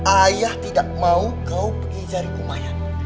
ayah tidak mau kau pergi dari kumayan